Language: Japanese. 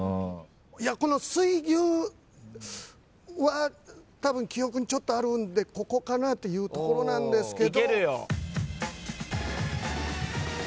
いやこの水牛はたぶん記憶にちょっとあるんでここかなってところなんですけど。